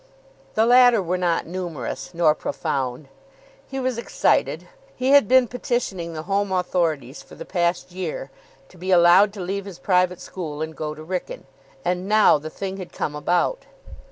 The latter were not numerous, nor profound. He was excited. He had been petitioning the home authorities for the past year to be allowed to leave his private school and go to Wrykyn, and now the thing had come about.